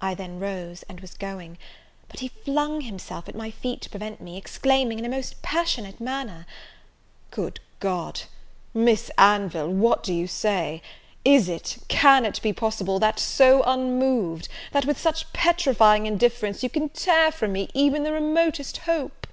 I then rose, and was going, but he flung himself at my feet to prevent me, exclaiming, in a most passionate manner, "Good God! Miss Anville, what do you say? is it, can it be possible, that, so unmoved, that, with such petrifying indifference, you can tear from me even the remotest hope!"